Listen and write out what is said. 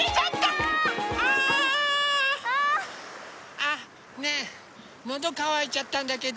あ！あっねえのどかわいちゃったんだけど。